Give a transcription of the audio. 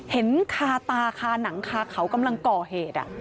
เห็นคาตาคาหนังคาเขากำลังก่อเหตุ